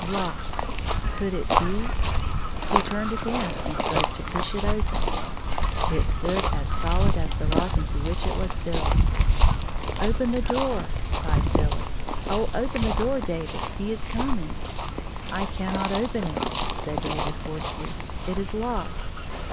Locked ! Could it be 1 He turned again and strove to push it open. It stood as solid as ike rock into which it was built. " Open the door! " cried PhyUis. "Oh, open the door, David, he is coming.'* i6o *' I cannot open it," said David, hoarsely. " It is locked."